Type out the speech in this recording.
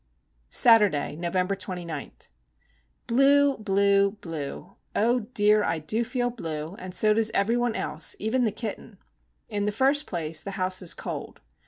Saturday, November 29. Blue! blue! blue! oh dear, I do feel blue, and so does every one else, even the kitten! In the first place the house is cold.